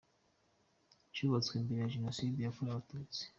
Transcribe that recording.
Cyubatswe mbere ya jenoside yakorewe abatutsi.